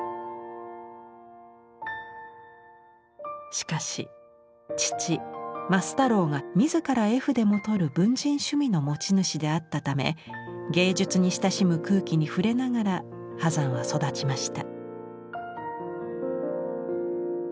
しかし父増太郎が自ら絵筆も執る文人趣味の持ち主であったため芸術に親しむ空気に触れながら波山は育ちました。